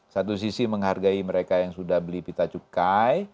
satu sisi menghargai mereka yang sudah beli pita cukai